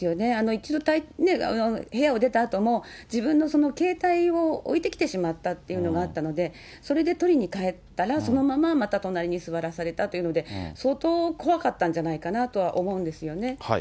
一度部屋を出たあとも、自分の携帯を置いてきてしまったというのがあったので、それで取りに帰ったら、そのまままた隣に座らされたということで、相当怖かったんじゃないかなとは思うんですよね。